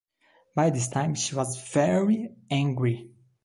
By this time she was very angry.